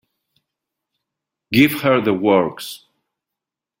Give her the works.